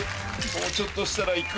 もうちょっとしたら行く。